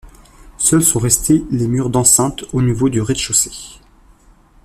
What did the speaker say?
Seuls sont restés les murs d'enceinte au niveau du rez-de-chaussée.